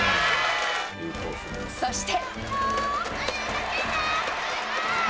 そして。